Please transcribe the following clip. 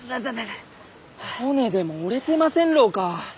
骨でも折れてませんろうか！？